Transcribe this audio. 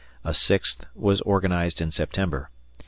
A sixth was organized in September.